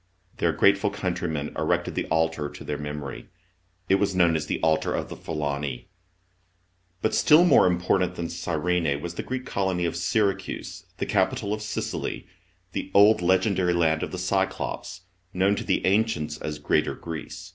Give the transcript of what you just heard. Their grateful countrymen erected the altar to their memppy. It was known as the Altar of the Phibeni. But still more important than Cyren3, was the Greek colony of Syracuse, the capital of Sicily the old legendary land of the Cyclops known to the ancients, as Greater Greece.